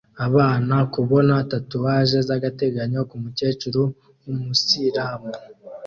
Abana kubona tatouage z'agateganyo ku mukecuru w'umuyisilamu